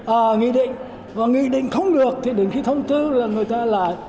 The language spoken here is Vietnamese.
ở nghị định và nghị định không được thì đến khi thông tư là người ta lại